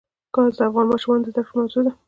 ګاز د افغان ماشومانو د زده کړې موضوع ده.